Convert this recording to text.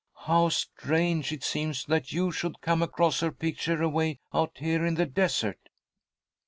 How strange it seems that you should come across her picture away out here in the desert!"